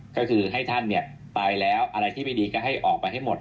ก็คือให้ท่านเนี่ยไปแล้วอะไรที่ไม่ดีก็ให้ออกไปให้หมด